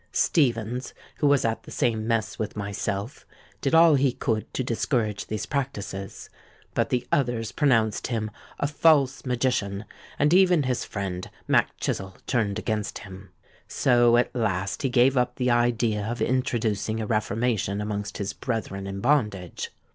Stephens, who was at the same mess with myself, did all he could to discourage these practices; but the others pronounced him 'a false magician,' and even his friend, Mac Chizzle, turned against him. So at last he gave up the idea of introducing a reformation amongst his brethren in bondage.